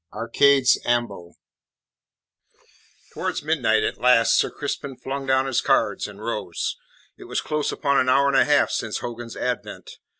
ARCADES AMBO Towards midnight at last Sir Crispin flung down his cards and rose. It was close upon an hour and a half since Hogan's advent.